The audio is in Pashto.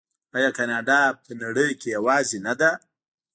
آیا کاناډا په نړۍ کې یوازې نه ده؟